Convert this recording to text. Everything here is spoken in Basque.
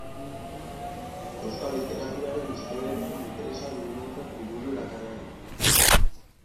Euskal literaturaren historiarekin interesa dugunontzat liburu erakargarria.